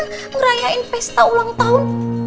ngerayain pesta ulang tahun